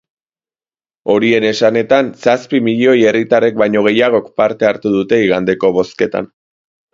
Horien esanetan, zazpi milioi herritarrek baino gehiagok parte hartu dute igandeko bozketan.